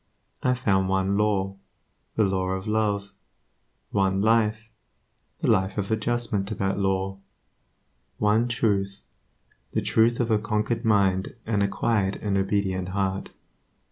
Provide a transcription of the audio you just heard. I found one Law, the Law of Love; one Life, the Life of adjustment to that Law; one Truth, the truth of a conquered mind and a quiet and obedient heart.